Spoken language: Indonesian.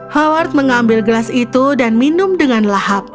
howard mengambil gelas itu dan minum dengan lahap